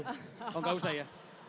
kalau gak usah ya